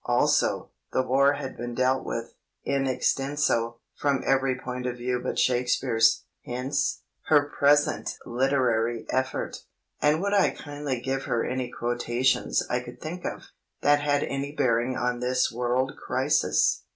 Also, the War had been dealt with, in extenso, from every point of view but Shakespeare's. Hence, her present literary effort. And would I kindly give her any quotations I could think of, that had any bearing on this world crisis.